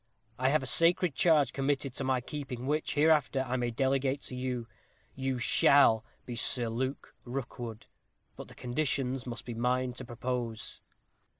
I have a sacred charge committed to my keeping, which, hereafter, I may delegate to you. You shall be Sir Luke Rookwood, but the conditions must be mine to propose."